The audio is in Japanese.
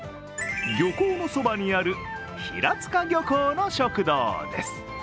漁港のそばにある平塚漁港の食堂です。